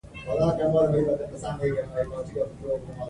دوی به د قبرونو په اړه معلومات ورکوي.